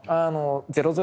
００